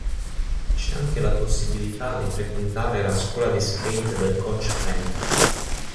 C'è anche la possibilità di frequentare la scuola di skate del Coach Frank.